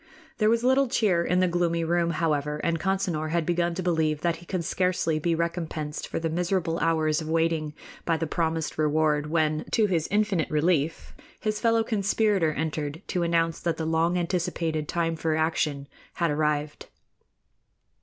There was little cheer in the gloomy room, however, and Consinor had begun to believe that he could scarcely be recompensed for the miserable hours of waiting by the promised reward when, to his infinite relief, his fellow conspirator entered to announce that the long anticipated time for action had arrived.